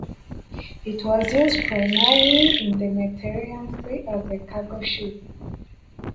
It was used primarily in the Mediterranean Sea as a cargo ship.